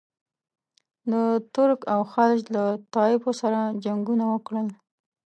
د ترک او خلج له طایفو سره جنګونه وکړل.